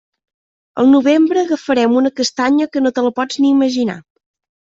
Al novembre agafarem una castanya que no te la pots ni imaginar.